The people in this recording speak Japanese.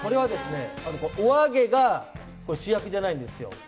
お揚げが素焼きじゃないんですよ。